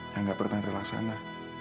yang gak pernah terlaksana